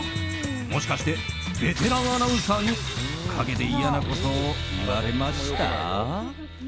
もしかしてベテランアナウンサーに陰で嫌なこと言われました？